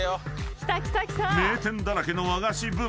［名店だらけの和菓子部門］